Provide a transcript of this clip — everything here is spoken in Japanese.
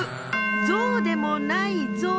ゾウでもないゾウ。